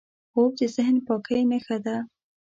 خوب د ذهن پاکۍ نښه ده